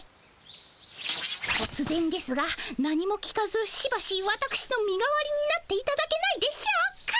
とつぜんですが何も聞かずしばしわたくしの身代わりになっていただけないでしょうか？